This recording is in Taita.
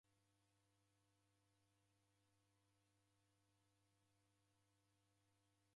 Ukakaia usenitumbulie ngera nibonya w'ada?